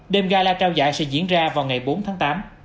đêm gala trao giải sẽ diễn ra vào ngày bốn tháng tám